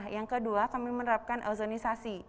yang kedua kami menerapkan ozonisasi